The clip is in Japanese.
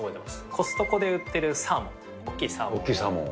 コストコで売ってるサーモン、大きいサーモン。